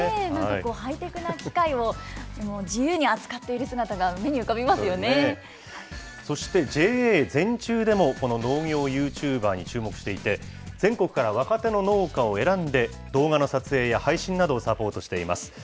なんかハイテクな機械を自由に扱っている姿が、目に浮かびまそして、ＪＡ全中でもこの農業ユーチューバーに注目していて、全国から若手の農家を選んで、動画の撮影や配信などをサポートしています。